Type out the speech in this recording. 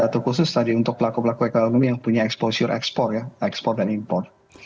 terkhusus tadi untuk pelaku pelaku ekonomi yang punya exposure ekspor dan import